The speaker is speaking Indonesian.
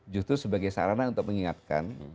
justru sebagai sarana untuk mengingatkan